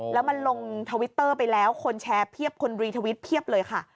แล้วมันลงทวิตเตอร์ไปแล้วคนแชร์เพียบคนรีทวิตเพียบเลยค่ะ